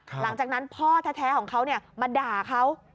หลังจากนั้นพ่อแท้ของเขามาด่าเขา